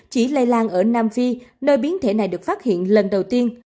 chỉ lây lan ở nam phi nơi biến thể này được phát hiện lần đầu tiên